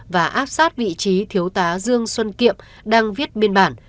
và áp sát vị trí thiếu tá dương xuân kiệm đang viết biên bản